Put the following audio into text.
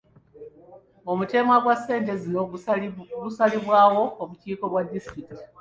Omutemwa gwa ssente zino gusalibwawo obukiiko bwa disitulikiti.